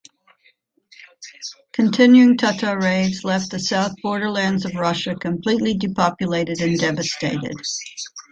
Continuing Tatar raids left the south borderlands of Russia completely depopulated and devastated.